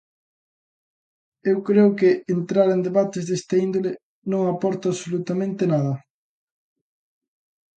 Eu creo que entrar en debates desta índole non aporta absolutamente nada.